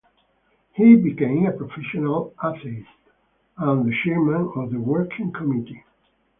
He became a professional atheist and the chairman of the working committee.